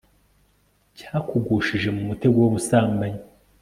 cyakugushije mumutego wubusambanyi